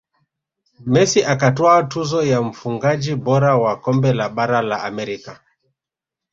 messi akatwaa tuzo ya mfungaji bora wa kombe la bara la amerika